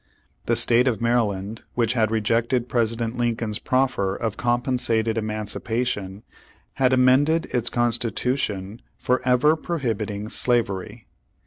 The state of Maryland, v/hich had rejected President Lincoln's proffer of compensated emancipation, had amended its con stitution forever prohibiting slavery.